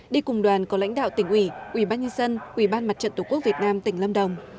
đi cùng đoàn có lãnh đạo tỉnh ủy quy bán nhân dân quy bán mặt trận tổ quốc việt nam tỉnh lâm đồng